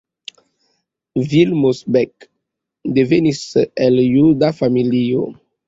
Vilmos Beck devenis el juda familio.